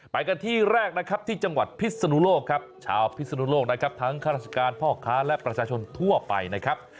ไปกันที่แรกนะครับที่จังหวัดพิศนุโลกครับชาวพิศนุโลกนะครับทั้งข้าราชการพ่อค้าและประชาชนทั่วไปนะครับ